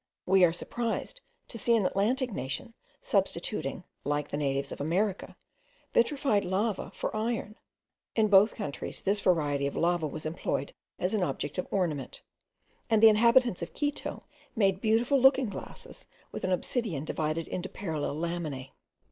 We are surprised to see an Atlantic nation substituting, like the natives of America, vitrified lava for iron. In both countries this variety of lava was employed as an object of ornament: and the inhabitants of Quito made beautiful looking glasses with an obsidian divided into parallel laminae.